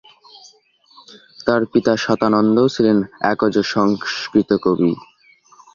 তাঁর পিতা শতানন্দও ছিলেন একজ সংস্কৃত কবি।